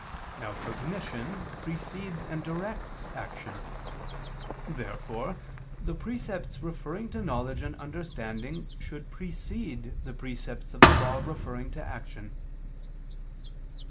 Now cognition precedes and directs action. Therefore the precepts referring to knowledge and understanding should precede the precepts of the Law referring to action.